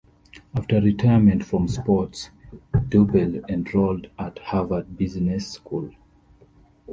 After retirement from sports, Doubell enrolled at Harvard Business School.